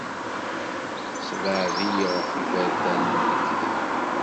Ssebɛed-iyi ɣef yiberdan n lekdeb.